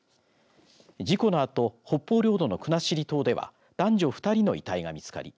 事故のあと北方領土の国後島では男女２人の遺体が見つかり